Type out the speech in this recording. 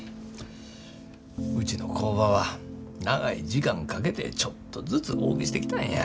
うちの工場は長い時間かけてちょっとずつ大きしてきたんや。